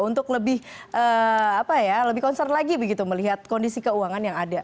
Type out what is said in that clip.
untuk lebih apa ya lebih konsern lagi begitu melihat kondisi keuangan yang ada